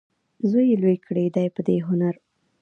زوی یې لوی کړی دی په دې هنر.